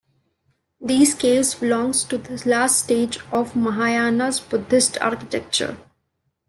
These caves belongs to the last stage of the Mahayana Buddhist architecture.